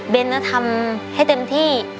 เบ้นจะทำให้เต็มที่